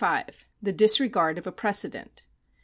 The Disregard of a Precedent.